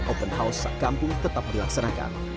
open house sa a kampung tetap berlaksanakan